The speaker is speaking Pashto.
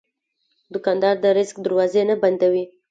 دوکاندار د رزق دروازې نه بندوي.